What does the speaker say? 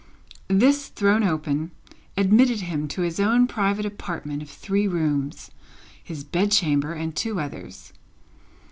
This thrown open, admitted him to his own private apartment of three rooms: his bed chamber and two others.